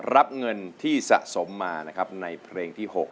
รับเงินที่สะสมมานะครับในเพลงที่๖